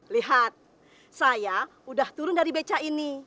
lihat saya udah turun dari beca ini